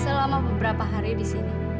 selama beberapa hari disini